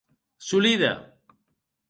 Solide!